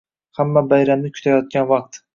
Hamma bayramni kutayotgan vaqt.